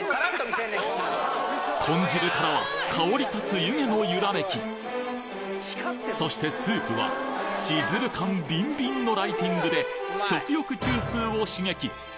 豚汁からは香り立つ湯気のゆらめきそしてスープはシズル感ビンビンのライティングで食欲中枢を刺激！